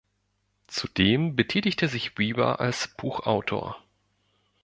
Zudem betätigte sich Weaver als Buchautor.